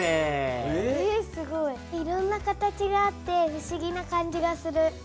いろんな形があって不思議な感じがする。